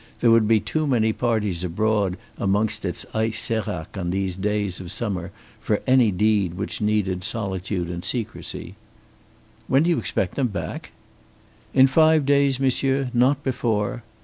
There would be too many parties abroad amongst its ice séracs on these days of summer for any deed which needed solitude and secrecy. "When do you expect them back?" "In five days, monsieur; not before."